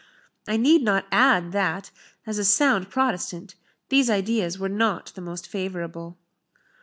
I need not add, that, as a sound Protestant, these ideas were not the most favourable.